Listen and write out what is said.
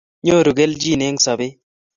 nyoru kelchin eng sobet